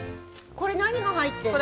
これ何が入ってるの？